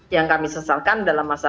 yang kami sesalkan dalam masa